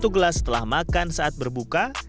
satu gelas setelah makan saat berbuka